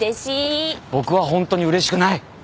僕はホントにうれしくない！